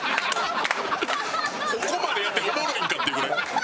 ここまでやっておもろいんかっていうぐらい。